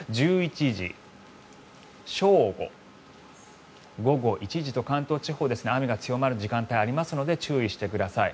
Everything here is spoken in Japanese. １１時、正午、午後１時と関東地方雨が強まる時間帯がありますので注意してください。